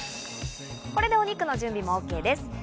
これでお肉の準備もＯＫです。